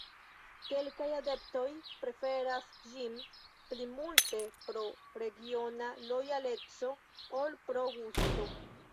Kelkaj adeptoj preferas ĝin pli multe pro regiona lojaleco ol pro gusto.